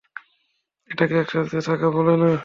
এটাকে একসাথে থাকা বলে না।